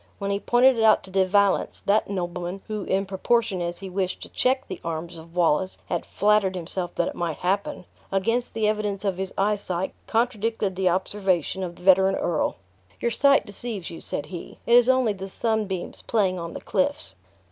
When he pointed it out to De Valence, that nobleman (who, in proportion as he wished to check the arms of Wallace, had flattered himself that it might happen), against the evidence of his eyesight, contradicted the observation of the veteran earl. "Your sight deceives you," said he, "it is only the sunbeams playing on the cliffs."